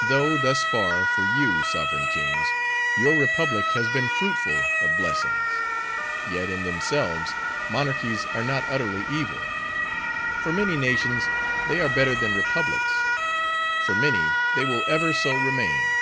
"Though, thus far, for you, sovereign kings! your republic has been fruitful of blessings; yet, in themselves, monarchies are not utterly evil. For many nations, they are better than republics; for many, they will ever so remain.